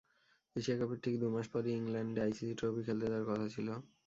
Asia কাপের ঠিক দুমাস পরই ইংল্যান্ডে আইসিসি ট্রফি খেলতে যাওয়ার কথা ছিল।